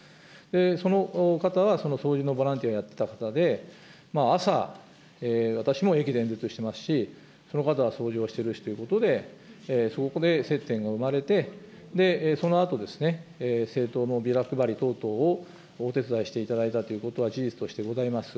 その方は、その掃除のボランティアをやってた方で、朝、私も駅で演説してますし、その方は掃除をしてるしということで、そこで接点が生まれて、そのあと、政党のビラ配り等々をお手伝いしていただいたということは、事実としてございます。